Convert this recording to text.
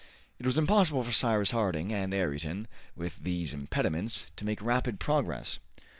It was impossible for Cyrus Harding and Ayrton, with these impediments, to make rapid progress.